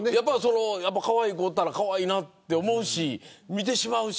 かわいい子がおったらかわいいなと思うし見てしまうし。